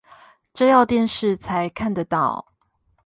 這要電視才看得到